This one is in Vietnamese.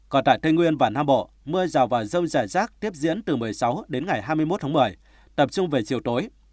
còn tại tây nguyên và nam bộ mưa rào và rông rải rác tiếp diễn từ một mươi sáu đến ngày hai mươi một tháng một mươi tập trung về chiều tối